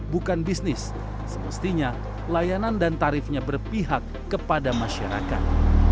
bukan bisnis semestinya layanan dan tarifnya berpihak kepada masyarakat